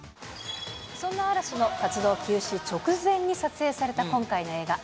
そんな嵐の活動休止直前に撮影された今回の映画。